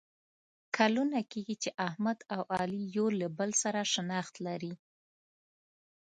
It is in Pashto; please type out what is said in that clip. کلونه کېږي چې احمد او علي یو له بل سره شناخت لري.